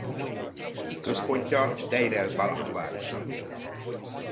Központja Dejr el-Balah városa.